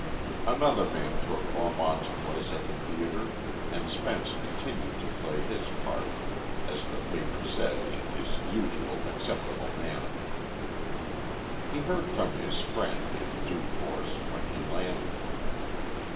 Another man took Ormond's place at the theatre, and Spence continued to play his part, as the papers said, in his usual acceptable manner. He heard from his friend, in due course, when he landed.